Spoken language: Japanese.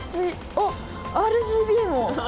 あっ「ＲＧＢ」も！